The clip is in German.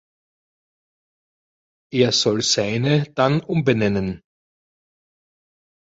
Er soll seine dann umbenennen.